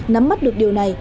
nắm mắt được điều này